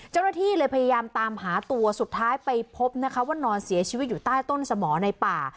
เจ้าหน้าที่เลยพยายามตามหาตัวสุดท้ายไปพบนะคะว่านอนเสียชีวิตอยู่ใต้ต้นสมอในป่า